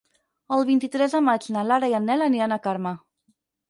El vint-i-tres de maig na Lara i en Nel aniran a Carme.